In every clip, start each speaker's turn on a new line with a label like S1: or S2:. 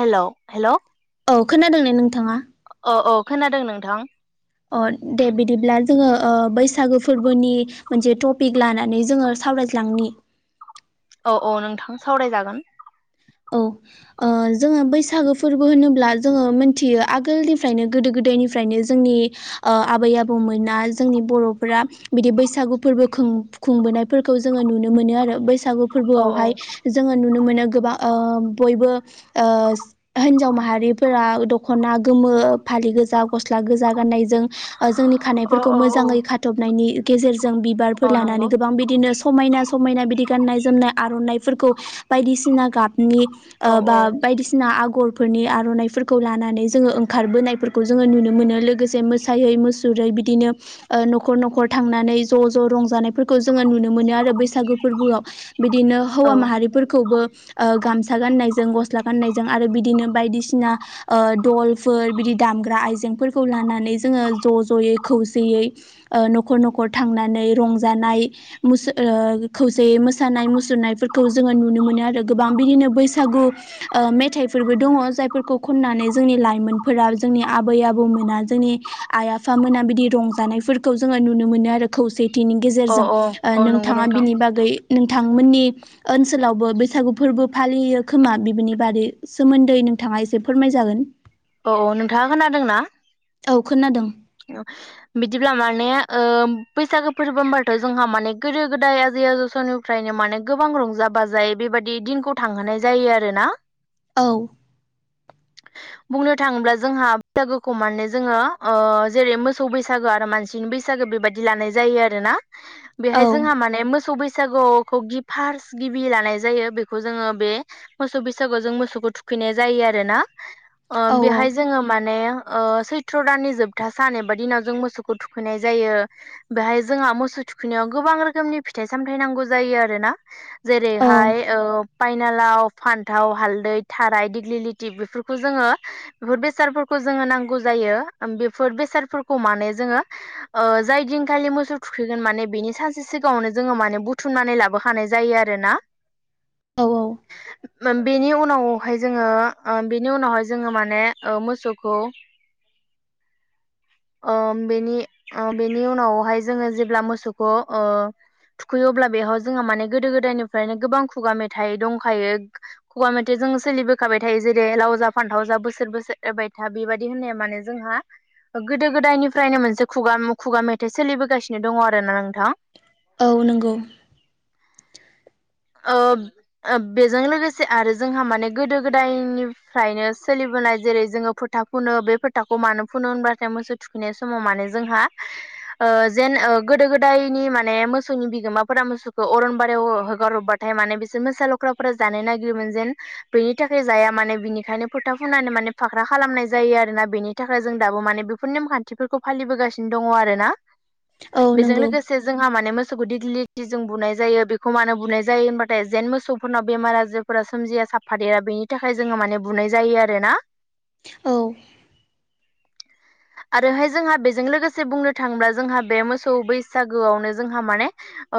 S1: हेल' hello
S2: औ खोनादों ना नोंथाङा?
S1: औ औ खोनादों नोंथां?
S2: अ दे बिदिब्ला जोङो ओ बैसागो फोरबोनि मोनसे टपिक लानानै जोङो सावरायज्लांनि [inaudible]
S1: औ औ नोंथां सावरायजागोन
S2: औ ओ जोङो बैसागो फोरबो होनोब्ला जोङो मोनथियो आगोलनिफ्रायनो गोदो गोदायनिफ्रायनो जोंनि ओ आबै आबौ मोना जोंनि बर'फोरा बिदि बैसागु फोरबो खुं खुं बोनायफोरखौ जोङो नुनो मोनो आरो बैसाग सागु
S1: औ औ
S2: फोरबोआवहाय जोङो नुनो मोनो गोबां ओ बयबो ओ जो- हिन्जाव माहारिफोरा दख'ना गोमो फालि गोजा गस्ला गोजा गाननायजों ओ जोंनि
S1: अ
S2: खनायफोरखौ
S1: औ औ
S2: मोजाङै खाथबनायनि गेजेरजों जों बिबारफोर
S1: औ
S2: लानानै
S1: नंगौ
S2: गोबां बिदिनो समायना समायना बिदि गाननाय जोमनाय आरनाय फोरखौ बायदिसिना गाबनि
S1: औ
S2: ओ बा
S1: औ
S2: बायदिसिना आगर फोरनि आर'नाइफोरखौ लानानै जोङो ओंखारबोनायफोरखौ जोङो नुनो मोनो लोगोसे मोसायै मुसुरै बिदिनो ओ न'खर न'खर थांनानै ज' ज' रंजानायफोरखौ जोङो नुनो मोनो आरो बैसागु फोरबोआव बिदिनो हौवा
S1: औ
S2: माहारिफोरखौबो ओ गामसा गान्नायजों गस्ला गान्नायजों आरो बिदिनो बायदिसिना दलफोर बिदि दाम ग्रा आयजेफोरखौ लानानै जोंङो ज'ज'यै खौसेयै ओ न'खर न'खर थांनानै रंजानाय मोस ओ खौसेयै मोसानाय मुसुरनायफोरखौ जोङो नुनो मोनो आरो गोबां बिदिनो बैसागु ओ मेथाइफोरबो दङ जायफोरखौ खननानै जोंनि लाइमोनफोरा जों जोंनि आबै आबौ मोना जोंनि आइ आफा मोना बिदि रंजानायफोरखौ जोङो नुनो मोनो आरो खौसे बेनि
S1: औ
S2: गेजेरजों
S1: औ
S2: ओ
S1: औ नंगौ
S2: नोंथाङा
S1: नोंथां
S2: बिनि बागै नोंथांमोननि ओनसोलावबो बैसागु फोरबो फालियो खोमा बेफोरनि बादै सोमोन्दै नोंथाङा एसे फोरमायजागोन
S1: औ औ नोंथाङा खोनादोंना?
S2: औ खोनादों
S1: औ बिदिब्ला माने ओ बैसागो फोरबोबाथ' जोंहा माने गोदो गोदाय आजै आजौ समनिफ्रायनो माने गोबां रंजा बाजायै बे। बेबायादि दिनखौ थांहोनाय जायो आरोना
S2: औ
S1: बुंनो थाङोब्ला जोंहा बैसागोखौ माने जोङो ओ जेरै मोसौ बैसागो आरो मानसिनि बैसागो बेबायदि लानाय जायो आरोना
S2: औ
S1: बेहाय जोंहा माने मोसौ बैसो सागुखौ गि फार्स गिबि लानाय जायो बेखौ जोङो बे मोसौ बैसागु जों मोसौखौ थुखै थुखैनाय जायो आरोना ओ
S2: औ
S1: बेहाय जोङो माने ओ सैथ्र' दाननि जोबथा सान एबा दिनाव जों मोसौखौ थुखैनाय जायो बेहाय जोंहा मोसौ थुखैनायाव गोबां रोखोमनि फिथाइ सामथाय नांगौ जायो आरोना ना
S2: औ
S1: जेरैह ओ फायनाला लाव फान्थाव हालदै थाराय दिग्लि लिथि बेफोरखौ जोङो बेफोर बेसादफोरखौ जोङो नांगौ जायो बेफोर बेसादफोरखौ माने जोङो ओ जाय दिनखालि मोसौ थुखैगोन माने बेनि सानसे सिगाङावनो जोङो माने बुथुमनानै लाबोखानाय जायो आरोना
S2: औ औ
S1: ओ बेनि उनावहाय जोङो ओ बेनि उनावहाय जों जोङो माने ओ मोसौखौ
S2: [inaudible]
S1: ओ बेनि ओ बेनि उनावहाय जोङो जेब्ला मोसौखौ ओ थुखैयो अब्ला बेयाव जोंहा माने गोदो गोदायनिफ्रायनो गोबां खुगा मेथाइ दंखायो खुगा मेथाइ जों जों सोलिबोखाबाय थायो जेरै लाव जा फान्थाव जा बोसोर बोसोर एरबाय था बेबायदि होननाया माने जोंहा गोदो गोदायनिफ्रायनो मोनसे खुगा खुगा मेथाइ सोलिबोगासिनो दङ आरो ना नों
S2: औ नंगौ
S1: ओ ओ बेजों लोगोसे आरो जोंहा माने गोदो गोदायनिफ्रायनो सोलिबो नाय जेरै जोङो फोथा फुनो बे फोथाखौ मानो फुनो होनबाथाय मोसौ थुखैनाय समाव माने जोंहा ओ जेन ओ गोदो गोदायनि माने मोसौनि बिगोमाफोरा मोसौखौ अरनबारियाव हो गारहरबाथाय माने बिसोर मोसा लख्राफोरा जानो नागिरोमोन जेन बेनि थाखाय जाया माने बिनिखायनो फोथा होननानै माने फाख्रा खालामनाय जायो आरोना बेनि थाखाय जों दाबो माने बेफोर नेमखान्थिफोरखौ फालिबोगासिनो दङ। आरो ना
S2: औ
S1: बेजों
S2: नंगौ
S1: लोगोसे जोंहा माने मोसौखौ दिगिलिथि जों बुनाय जायो बेखौ मा बुनाय जायो होनमबाथाय जेन मोसौफोरनाव बेमार आजारफोरा सोमजिया साफादेरा बेनि थाखाय जोङो माने बुनाय जायो। आरो ना।
S2: औ
S1: आरोहाय जोंहा बेजों लोगोसे बुंनो थाङोब्ला जोंहा बे मोसौ बैसागोआवनो जोंहा माने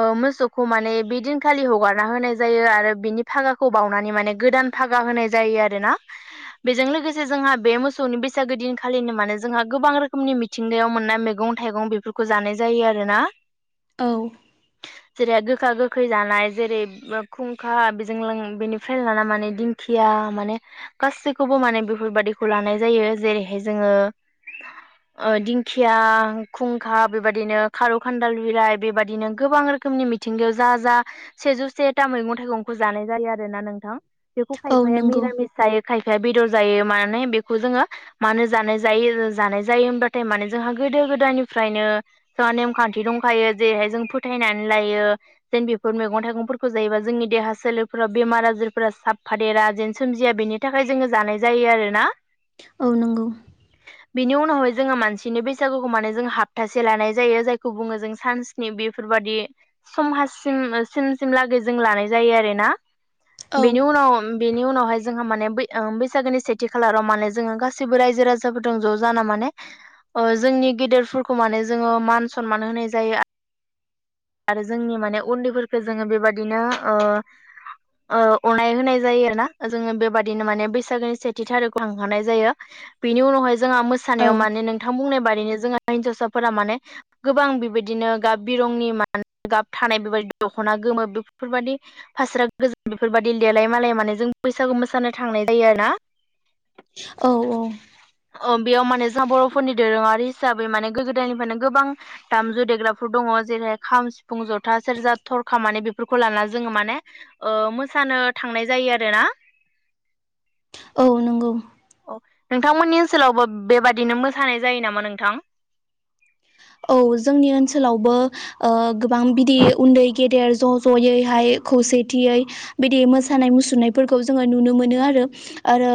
S1: ओ मोसौखौ माने बिदिन खालि हगारना होनाय जायो आरो बिनि भागाखौ बावनानै माने गोदान भागा होनाय जायो आरोना। बेजों लोगोसे जोंहा बे मोसौनि बैसागो दिनखालिनो माने जोंहा गोबां रोखोमनि मिथिंगायाव मोननाय मैगं गं थाइगं बेफोरखौ जानाय जायो आरो ना
S2: औ
S1: [unintelligible] गोखा गोखै लानाय जेरै खुंखा बेजों लों बेनिफ्राय लाना माने दिंखिया माने गासैखौबो माने बेफोरबादिखौ लानाय जायो जेरैहाय जोङो
S2: [inaudible]
S1: ओ दिंखिया खुंखा बेबायदिनो खारौ खान्दाल बिलाइ बेबायदिनो गोबां रोखोमनि मिथिंगायाव जा जा सेजौ सेथा मैगं थाइगंखौ जानाय जायो आरोना नोंथां बेखौ
S2: औ
S1: खायफाया
S2: नंगौ
S1: मिरामिस जायो खायफाया बेदर जायो मानै बेखौ जोङो मानो जानाय जायो जानाय जायो होमबाथाय माने जोंहा गोदो गोदायनिफ्रायनो जोंहा नेमखान्थि दंखायो जेरैहाय जों फोथायनानै लायो जेन बे मैगं थाइगंफोरखौ जायोबा जोंनि देहा सोलेरफोराव बेमार आजारफोरा साबफादेरा जेन सोमजिया बेनि थाखाय जोङो जानाय जायो आरोना
S2: औ नंगौ
S1: बिनि उनावहाय जोङो मानसिनि बैसागुखौ माने जों हाप्तासे लानाय जायो जायखौ बुङो जों सास्नि बे बेफोरबादि समाज सिम सिम सिमलागै जों लानाय जायो आरोना
S2: औ
S1: बेनि उनाव बेनि उनावहाय जोंहा माने ने बै ओम बैसागुनि सेथि खालाराव माने जोङो गासिबो रायजो राजाजों ज' जाना माने जोंनि गेदेरफोरखौ माने जोङो मान सनमान होनाय जायो।
S2: [inaudible]
S1: आरो जोंनि माने उन्दैफोरखौ जोङो बेबादिनो ओ ओ अनाय होनाय जायो ना जोङो बेबादिनो माने बैसागोनि सेथि थारिकखौ लांहानाय जायो। बिनि उनावहाय जोंहा
S2: औ
S1: मोसानायाव मानोे नोंथां बुंनाय बादिनो जोंहा हिन्जावसाफोरा माने गोबां बेबायदिनो गाब बिरंनि माने गाब थानाय बेबाय दख'ना गोमो बेफोरबायाददि फास्रा गोजान बेफोरबायदि देलाय मालाय माने जों बैसागु मोसाना थांनाय जायो आरोना
S2: औ औ
S1: ओं बेयाव माने जोंहा बर'फोरनि दोरोङारि हिसाबै माने गो गोदायनिफ्रायनो गोबां दामजु देग्राफोर दङ ओ जेरैाय खाम सिफुं ज'था सेर ज थरखा माने बेफोरखौ लानानानै जोङो माने ओ मोसानो थांनाय जायो आरोना
S2: औ नंगौ
S1: औ नोंथांमोननि ओनसोलावबो बेबादिनो मोसानाय जायो नामा नोंथां
S2: औ जोंनि ओनसोलावबो गोबां बिदि उन्दै गेदेर ज' ज'यैहाय खौसेथियै बिदि मोसानाय मुसुरनायफोरखौ जोङो नुनो मोनो आरो आरो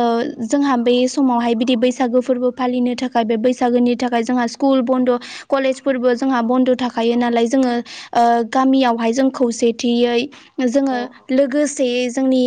S2: जोंहा बेै समावहाय बिदि बैसागो फोरबो फालिनो थाखाय बे बैसागोनि थाखाय जोंहा स्कुल बन्द' कलेजफोरबो जोंहा बन्द' थाखायो नालाय जोङो ओ गामियावहाय जों खौसेथियै
S1: औ
S2: जोङो लोगोसे जोंनि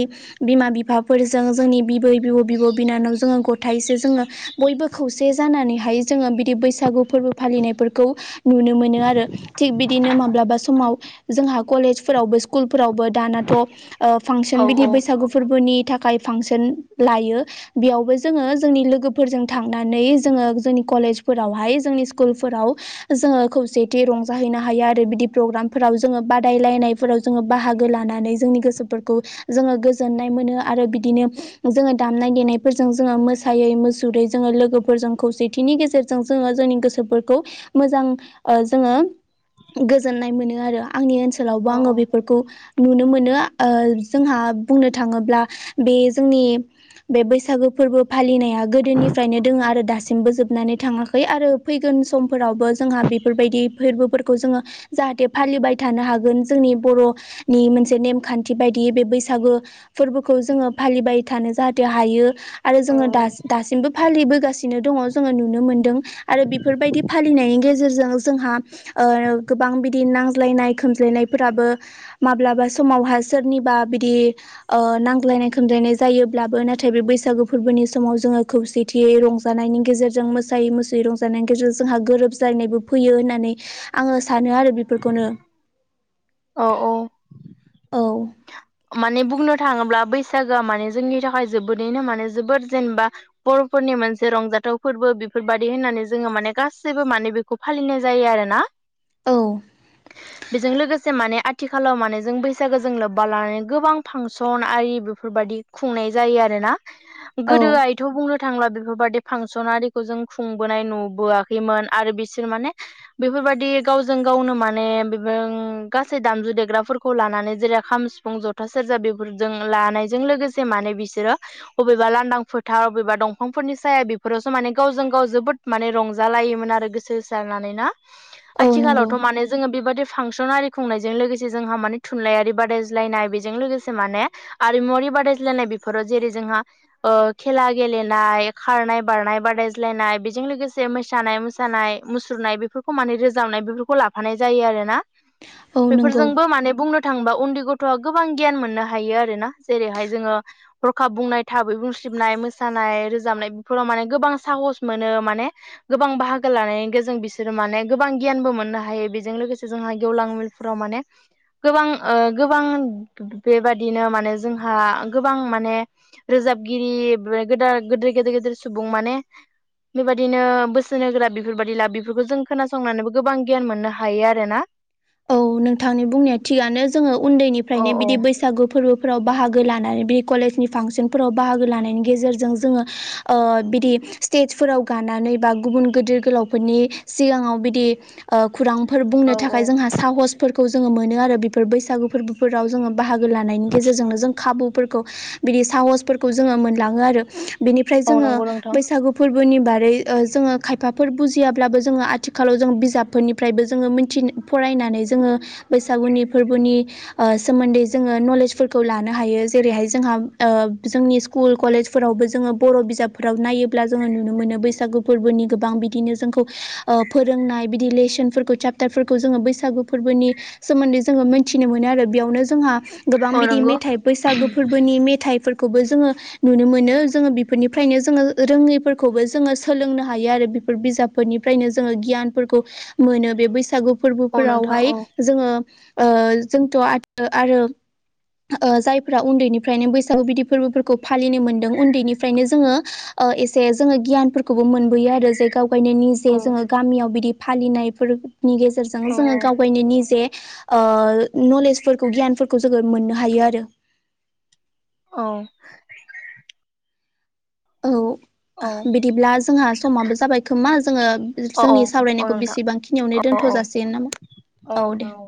S2: बिमा बिफाफोरजों जोंनि बिबै बिब' बिब' बिनानाव जोङो गथसे जोङो बयबो खौसे जानानैहाय जोङो बिदि बैसागु फोरबो फालिनायफोर खौ नुनो मोनो आरो थिग बिदिनो माब्लाबा समाव जोंहा कलेजफोरावबो स्कुलफोराव दानाथ' ओ
S1: औ
S2: फांसन बिदि
S1: औ
S2: बैसागु फोरबोनि थाखाय थाखाय फांसन लायो बेयावबो जोङो जोंनि लोगोफोरजों थांनानै जोङो जोंनि कलेजफोरावहाय जोंनि स्कुलफोराव जोङो खौसेथि रंजाहैनो हायो आरो बिदि प्रग्रामफोराव जोङो बादायलायनायफोराव जोङो बाहागो। लानानै जोंनि गोसोफोरखौ जोङो गोजोननाय मोनो आरो बिदिनो जोङो दामनाय देनाय जों जोङो मोसायै मुसुरै जोङो लोगोफोरजों खौसेथिनि गेजेरजों जोङो जोंनि गोसोफोरखौ मोजां जोङो गोजोननाय मोनो आरो आंनि ओनसोलाव लावबो आङो
S1: औ
S2: बेफोरखौ नुनो मोनो जोंहा बुंनो थाङोब्ला बे जोंनि बे बैसागो फोरबो फालिनाया गोदोनिफ्रायनो दोङो आरो दासिमबो जोबनानै थाङाखै आरो फैगोन सम फोरावबो जोंहा बेफोरबायदि फोरबोफोरखौ जोङो जाहाथे फालिबाय थानो हागोन जोंनि बर' नि मोनसे नेमखान्थि बायदियै बे बैसागो फोरबोखौ जोङो फालिबाय थानो जाहाथे हायो आरो जोङो दासिमबो फालिबोगासिनो दङ जोङो नुनो मोनदों आरो बेफोरबायदि। फालिनायनि गेजेरजों जोंहा गोबां बिदि नांज्लायनाय खोमज्लायनायफोराबो माब्लाबा समावहा सोरनिबा बिदि नांज्लायनाय खम्लायनाय जायोब्लाबो नाथाय बे बैसागो फोरबोनि समाव जोङो खौसेथियै रंजानायनि गेजेरजों मोसायै मोसुयै रंजानायनि गेजेरजों जोंहा गोरोब जायनायबो फैयो होननानै आङो सानो आरो बेफोरखौनो।
S1: औ औ
S2: औ
S1: माने बुंनो थाङोब्ला बैसागोआ माने जोंनि थाखाय जोबोदैनो माने जोबोद जेनेबा बर'फोर फोरनि मोनसे रंजाथाव फोरबो बेफोरबायाददि होननानै जोङो माने गासैबो माने बेखौ फालिनाय जायो आरो ना।
S2: औ
S1: बेजों लोगोसे माने आथिखालाव माने जों बैसागोजों लोब्बा लानानै गोबां फांसन आरि बेफोरबायाददि खुंनाय जायो आरोना
S2: औ
S1: गोदोआथ' बुंनो थांला बेफोरबादि फांसनारिखौ जों खुंबोनाय नुबोआखैमोन आरो बिसोर माने बेफोर बेफोरबायदि गावजों गावनो माने बे गासै दामजु देग्राफोरखौ लानानै जेरै खाम सिफुं जथ फथा सेरजा बेफोरजों लानायजों लोगोसे माने बिसोरो बबेबा लांदां फोथार अबेबा दंफां फोरनि साया बेफोरावसो माने गावजों गाव जोबोद माने रंजालायोमोन आरो गोसो होसारानानै ना
S2: औ नंगौ
S1: आथिखालावथ' माने जोङो बेबादि फांसन आरि खुंनायजों लोगोसे जोंहा माने थुनलाइयारि बादायज्लायनाय बिदि लोगोसे माने आरिमुवारि बादायायनाय बेफोराव जेरै जोंहा खेला गेलेनाय खारनाय बारनाय बादाय्लायनाय बेजों लोगोसे मोसानाय मोसानाय मुस सुरनाय बेफोरखौ माने रोजाबनाय बेफोरखौ लाफानाय जायो आरोना।
S2: औ नंगौ
S1: बेफोरजोंबो माने बुंनो थांबा उन्दै गथ'आ गोबां गियान मोननो हायो आरोोना जेरैहाय जोङो हरखाब बुंनाय थाबै बुंसलिबनाय मोसानाय रोजनाय बेफोराव माने गोबां साहस मोन माने गोबां बाहागो लानाय जों बिसोरो माने गोबां गियानबो मोननो हायो बेजों लोगोसे जोंहा गेवलां मलफोराव माने गोबां गोबां बे-बे-बेबादिनो माने जोंहा गोबां माने रोजाबगिरि बे गोदा-गोदाद गेदेर गेदेर सुबुं माने बेबायदिनो बोसोन होग्रा बेफोरबायदि ला बेफोरखौ जों खोनासंनानैबो गोबां गियान मोननो हायो आरोना।
S2: औ नोंथांनि बुंनाया थिगानो जोङो
S1: औ
S2: उन्दैनिफ्रायनो
S1: औ
S2: बिदि बैसागु फोरबोफोराव बाहागो लानानै बे कलेजनि फांसनफोराव बाहागो लानायनि गेजेरजों जोङो ओ बिदि स्टेजफोराव गानानै बा गुबुन गिदिर गोलावफोरनि सिगाङाव बिदि ओ खुरांफोर
S1: औ
S2: बुंनो
S1: औ
S2: थाखाय जोंहा फोरखौ जोङो मोनो आरो बेफोर बैसागु फोरबोफोराव जोङो बाहागो लानायनि गेजेरजोंनो जों खाबु फोरखौ बिदि साहस फोरखौ जोङो मोनलाङो आरो बिनिफ्राय
S1: औ
S2: जोङो
S1: नंगौ नोंथां
S2: बैसागु फोर बोनि बारै ओ जोङो खायफाफोर बुजियाब्लाबो जोङो आथिखालाव जों बिजाबफोरनिफ्रायबो जोङो मिथि फरायनाय नानै जोङो बैसागुनि फोरबोनि सोमोन्दै जोङो नलेजफोरखौ लानो हायो जेरैहाय जोंहा ओ जोंनि स्कुल कलेजफोरावबो जोङो बर' बिजाबफोराव नायोब्ला जोङो नुनो मोनो बैसागु गु फोरबोनि गोबां बिदिनो जोंखौ ओ फोरोंनाय बिदि लेसनफोरखौ चेप्टारफोरखौ जोङो बैसागु फोरबोनि सोमोन्दै जोङो मोनथिनो मोनो आरो बेयावनो जोंहा गोबां
S1: औ
S2: बिदि
S1: नंगौ
S2: मेथाइ बैसागो फोरबोनि मेथाइफोर खौबो जोङो नुनो मोनो जोङो बेफोरनिफ्रायनो जोङो रोङैफोरखौबो जोङो सोलोंनो हायो आरो बेफोर बिजाबफोरनिफ्रायनो जोङो गियानफोरखौ मोनो बे बैसागु
S1: औ नोंथां
S2: फोरबोफोरावहाय
S1: औ
S2: जोङो ओ जोंथ' आ-आरो ओ जायफ्रा उन्दैनिफ्रायनो बैसागु बिदि फोरबोफोरखौ फालिनो मोनदों उन्दैनिफ्रायनो जोङो ओ एसे जोङो गियानफोरखौबो मोनबोयो आरो जे गाव बायनो निजे
S1: औ
S2: जोङो गामियाव बिदि फालिनायफोरनि गेजेरजों
S1: औ
S2: जोङो गाव गायनो निजे ओ नलेजफोरखौ गियानफोरखौ जोङो मोननो हायो आरो [inaudible]
S1: औ
S2: औ
S1: औ
S2: बिदिब्ला जोंहा समाबो जाबाय खोमा जोङो
S1: औ
S2: जोंनि
S1: औ औ
S2: सावरायनायखौ
S1: नोंथां
S2: बेसेबांखिनियावनो
S1: औ
S2: दोनथ'
S1: औ
S2: जासिगोन नामा
S1: औ नोंथां औ